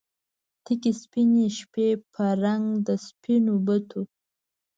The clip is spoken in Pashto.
تکې سپینې شپې په رنګ د سپینو بتو